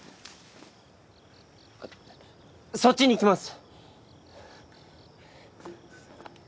そっちに行きます！